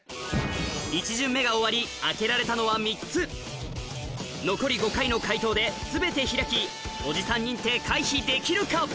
１巡目が終わり当てられたのは３つ残り５回の解答で全て開きおじさん認定回避できるか？